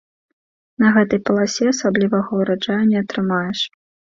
На гэтай паласе асаблівага ўраджаю не атрымаеш.